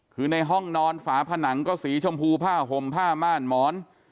คือในห้องนอนฝาผนังก็สีชมพูผ้าห่มผ้าม่านหมอน